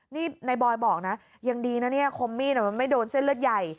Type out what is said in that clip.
นี่นายบอยบอกนะยังดีนะเนี่ยคมมีดมันไม่โดนเส้นเลือดใหญ่